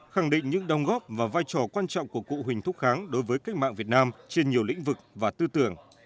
khẳng định những đồng góp và vai trò quan trọng của cụ huỳnh thúc kháng đối với cách mạng việt nam trên nhiều lĩnh vực và tư tưởng